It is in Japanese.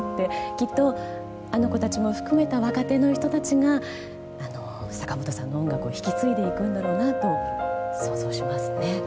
きっと、あの子たちも含めた若手の人たちが坂本さんの音楽を引き継いでいくんだろうなと想像しますね。